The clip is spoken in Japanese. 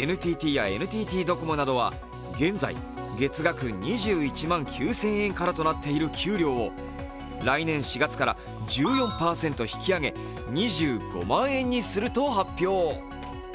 ＮＴＴやＮＴＴドコモなどは現在、月額２１万９０００円からとなっている給料を来年４月から１４％引き上げ２５万円にすると発表。